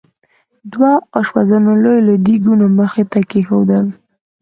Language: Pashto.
دوه اشپزانو لوی لوی دیګونه مخې ته کېښودل.